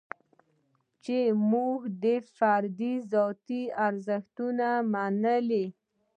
چې موږ د فرد ذاتي ارزښت منلی.